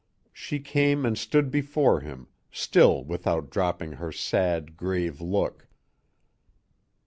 She came and stood before him, still without dropping her sad, grave look.